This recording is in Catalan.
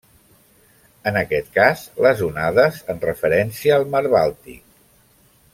En aquest cas les onades en referència al mar Bàltic.